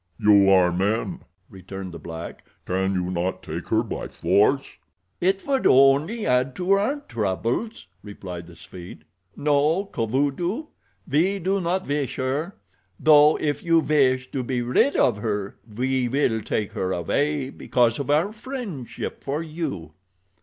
"You are men," returned the black. "Can you not take her by force?" "It would only add to our troubles," replied the Swede. "No, Kovudoo, we do not wish her; though, if you wish to be rid of her, we will take her away because of our friendship for you."